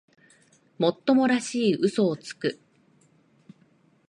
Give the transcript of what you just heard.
もっともらしい嘘をつく